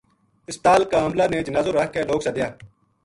ہسپتال کا عملہ نے جنازو رکھ کے لوک سدیا